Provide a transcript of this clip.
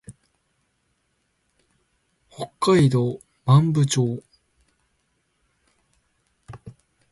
北海道長万部町